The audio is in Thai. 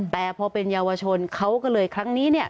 แต่พอเป็นเยาวชนเขาก็เลยครั้งนี้เนี่ย